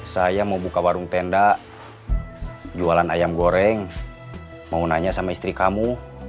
saya mau buka warung tenda jualan ayam goreng mau nanya sama istri kamu